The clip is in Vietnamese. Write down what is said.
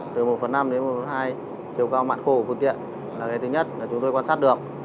từ một phần năm đến một phần hai chiều cao mặn khô của phương tiện là cái thứ nhất là chúng tôi quan sát được